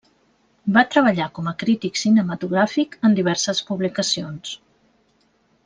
Va treballar com a crític cinematogràfic en diverses publicacions.